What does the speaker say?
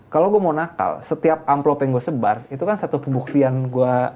kalau gue mau nakal setiap amplop yang gue sebar itu kan satu pembuktian gue